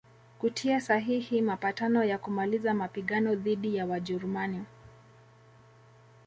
kutia sahihi mapatano ya kumaliza mapigano dhidi ya Wajerumani